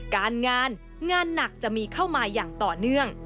การงานงานหนักจะมีเข้ามาอย่างต่อเนื่อง